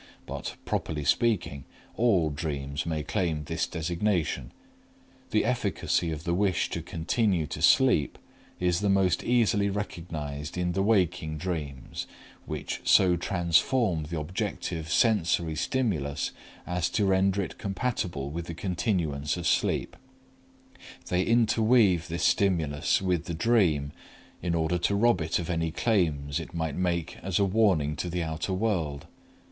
But, properly speaking, all dreams may claim this designation. The efficacy of the wish to continue to sleep is the most easily recognized in the waking dreams, which so transform the objective sensory stimulus as to render it compatible with the continuance of sleep; they interweave this stimulus with the dream in order to rob it of any claims it might make as a warning to the outer world.